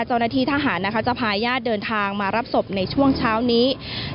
เจ้าหน้าที่ทหารนะคะจะพาญาติเดินทางมารับศพในช่วงเช้านี้